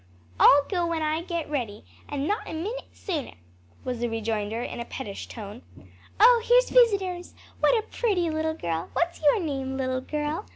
"I'll go when I get ready, and not a minute sooner," was the rejoinder in a pettish tone. "Oh, here's visitors! what a pretty little girl! what's your name, little girl?